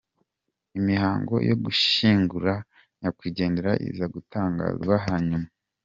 com imihango yo gushyingura nyakwigendera iza gutangazwa hanyuma.